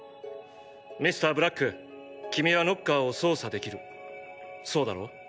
ミスターブラック君はノッカーを操作できるそうだろう？